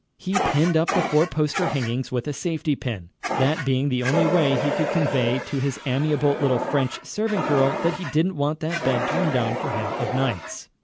He pinned up the four poster hangings with a safety pin, that being the only way he could convey to his amiable little French servant girl that he didn't want that bed turned down for him of nights.